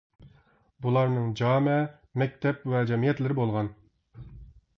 بۇلارنىڭ جامە، مەكتەپ ۋە جەمئىيەتلىرى بولغان.